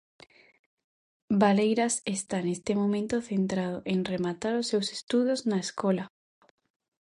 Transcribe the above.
Valeiras está neste momento centrado en rematar os seus estudos na escola.